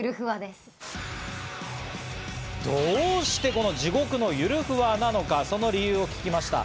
どうしてこの地獄のゆるふわなのか、その理由を聞きました。